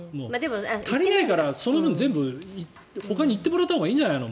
足りないからその分ほかに全部行ってもらったほうがいいんじゃないの。